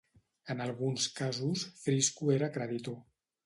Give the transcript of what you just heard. En alguns casos, Frisco era creditor.